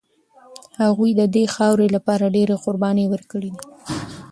هغوی د دې خاورې لپاره ډېرې قربانۍ ورکړي دي.